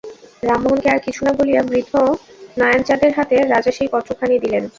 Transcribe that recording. রামমোহনকে আর কিছু না বলিয়া বৃদ্ধ নয়ানচাঁদের হাতে রাজা সেই পত্রখানি দিলেন।